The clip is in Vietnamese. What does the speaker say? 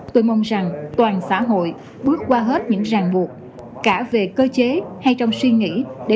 tôi mong rằng toàn xã hội bước qua hết những ràng buộc cả về cơ chế hay trong suy nghĩ